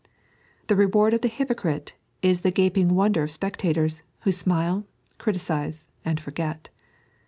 The reward of the hypocrite is the gaping wonder of spectators, who smile, criticise, and forget.